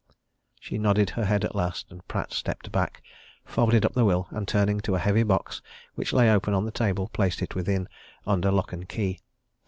She nodded her head at last, and Pratt stepped back, folded up the will, and turning to a heavy box which lay open on the table, placed it within, under lock and key.